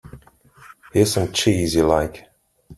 Here's some cheese you like.